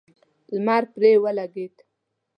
لمر پرې ولګېد.